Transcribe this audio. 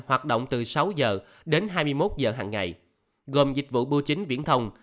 hoạt động từ sáu h đến hai mươi một giờ hằng ngày gồm dịch vụ bưu chính viễn thông